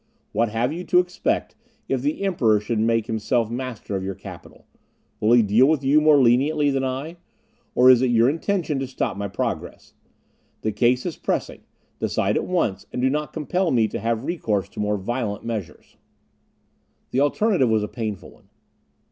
What have you to expect, if the Emperor should make himself master of your capital? Will he deal with you more leniently than I? Or is it your intention to stop my progress? The case is pressing: decide at once, and do not compel me to have recourse to more violent measures." The alternative was a painful one.